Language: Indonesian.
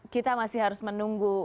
kita masih harus menunggu